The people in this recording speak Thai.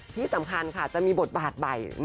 ที่สำคัญจะมีบทบาทบ่าย